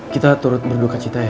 kita turut berdua ke cita ya